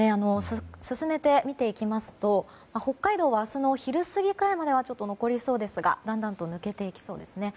進めて見ていきますと北海道は明日の昼過ぎくらいまでは残りそうですが、だんだんと抜けていきそうですね。